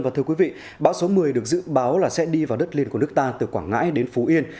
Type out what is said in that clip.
và thưa quý vị bão số một mươi được dự báo là sẽ đi vào đất liền của nước ta từ quảng ngãi đến phú yên